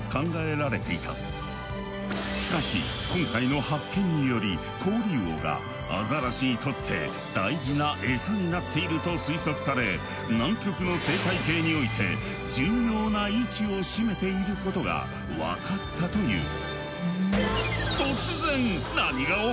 しかし今回の発見によりコオリウオがアザラシにとって大事なエサになっていると推測され南極の生態系において重要な位置を占めていることが分かったという。